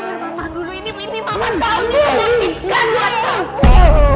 dengar mama dulu ini mimpi mama tau ini mau ngotiskan buat kamu